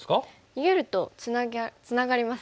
逃げるとつながりますね。